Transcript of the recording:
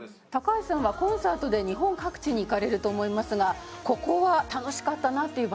橋さんはコンサートで日本各地に行かれると思いますがここは楽しかったなっていう場所おありですか？